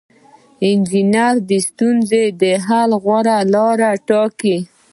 انجینر د ستونزې د حل غوره لاره ټاکي.